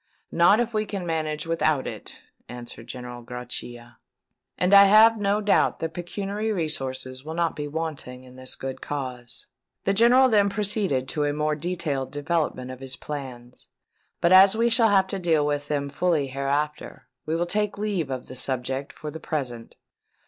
"Not if we can manage without it," answered General Grachia; "and I have no doubt that pecuniary resources will not be wanting in this good cause." The General then proceeded to a more detailed development of his plans; but as we shall have to deal with them fully hereafter, we will take leave of the subject for the present.